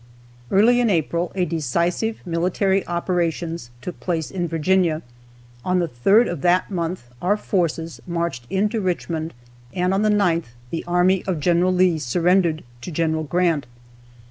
Early in April, decisive military operations took place in Virginia. On the 3rd of that month our forces marched into Richmond, and on the 9th the army of Gen. Lee surrendered to Gen. Grant.